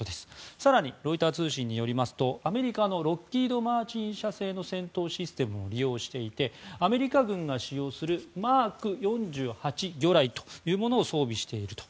更に、ロイター通信によりますとアメリカのロッキード・マーチン社製の戦闘システムを利用していてアメリカ軍が使用するＭＫ４８魚雷というものを装備していると。